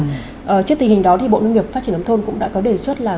trước tình hình đó thì bộ nông nghiệp phát triển nông thôn cũng đã có đề xuất là